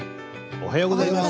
おはようございます。